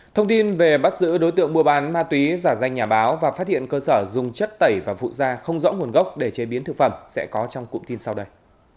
thông tin về bắt giữ đối tượng mua bán ma túy giả danh nhà báo và phát hiện cơ sở dùng chất tẩy và phụ da không rõ nguồn gốc để chế biến thực phẩm sẽ có trong cụm tin sau đây